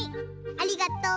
ありがとう。